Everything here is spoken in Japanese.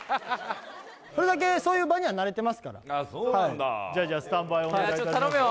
それだけそういう場には慣れてますからはいじゃスタンバイお願いいたします頼むよ